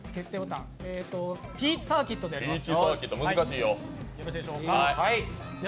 ピーチサーキットでやります。